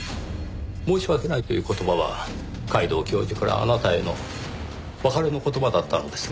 「申し訳ない」という言葉は皆藤教授からあなたへの別れの言葉だったのですね。